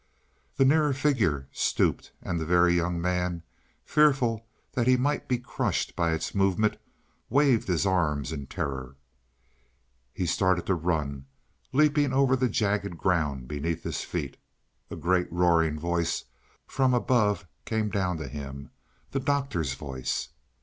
The nearer figure stooped, and the Very Young Man, fearful that he might be crushed by its movement, waved his arms in terror. He started to run, leaping over the jagged ground beneath his feet. A great roaring voice from above came down to him the Doctor's voice.